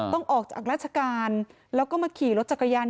ต้องออกจากราชการแล้วก็มาขี่รถจักรยาน